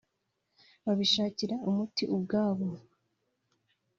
babishakire umuti ubwabo